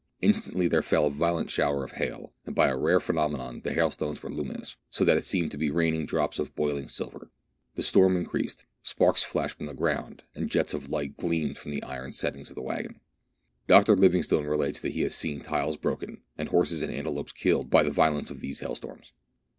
Instantly there fell a violent shower of hail, and by a rare phenomenon the hailstones were luminous, so that it seemed to be raining drops of boiling silver. The storm increased ; sparks flashed from the ground, and jets of light gleamed from the iron settings of the waggon. Dr. Livingstone relates that he has seen tiles broken, and horses and antelopes killed, by the violence of these hail storms.